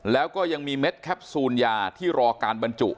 แล้วก็ยังมีเม็ดแคปซูลยาที่รอการบรรจุ